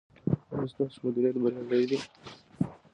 ایا ستاسو مدیریت بریالی دی؟